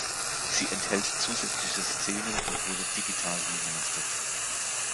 Sie enthält zusätzliche Szenen und wurde digital remastered.